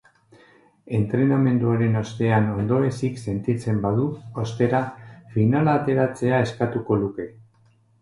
Entrenamenduaren ostean ondoezik sentitzen badu, ostera, finala atzeratzea eskatuko luke.